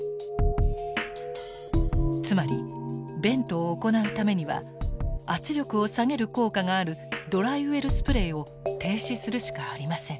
つまりベントを行うためには圧力を下げる効果があるドライウェルスプレイを停止するしかありません。